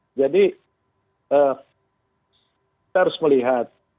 nah obat ini sebelum diproduksi dan sebelum diedarkan itu melalui tindakan